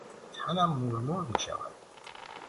تنم مورمور میشود.